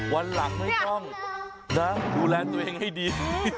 วันหลังไม่ต้องนะดูแลตัวเองให้ดี